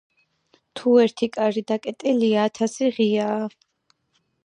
თუ ერთი კარი დაკეტილია, ათასი ღიაა